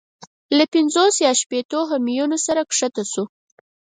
له پنځوس یا شپېتو همیونو سره کښته شو.